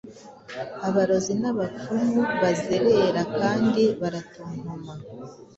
Abarozi nabapfumu bazerera kandi baratontoma